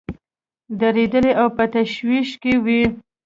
دردېدلي او په تشویش کې وي.